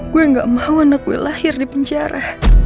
gue gak mau anak gue lahir dipenjara